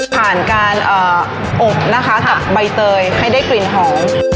ผ่านการอบกับใบเตยให้ได้กลิ่นหอม